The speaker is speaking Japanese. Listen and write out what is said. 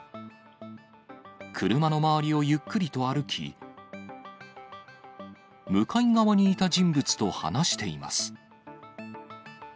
車の周りをゆっくりと歩き、向かい側にいた人物と話しています。